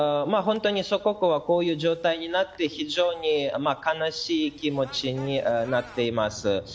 本当に祖国はこういう状態になって非常に悲しい気持ちになっています。